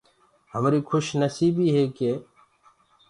همريٚ کُش نسيٚبيٚ هي ڪي